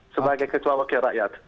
sebagai ketua wakil rakyat